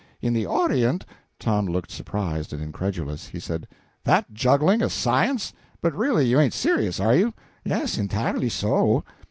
In the Orient " Tom looked surprised and incredulous. He said "That juggling a science? But really, you ain't serious, are you?" "Yes, entirely so.